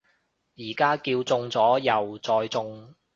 而家叫中咗右再中